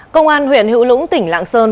công an huyện hữu lũng tỉnh lạng sơn